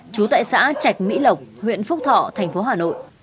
trú tại xã trạch mỹ lộc huyện phúc thọ thành phố hà nội